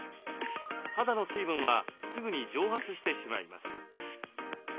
肌の水分はすぐに蒸発してしまいます。